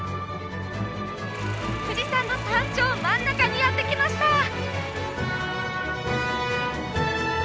富士山の山頂真ん中にやってきました。